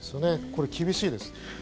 これ厳しいです。